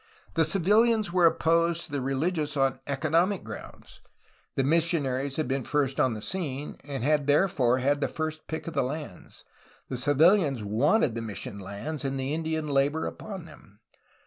The civilians were opposed to the religious on economic grounds. The missionaries had been first on the scene, and had there fore had first pick of the lands. The civilians wanted the mission lands and the Indian labor upon them.